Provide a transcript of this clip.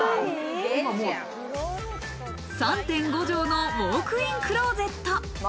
３．５畳のウオークインクローゼット。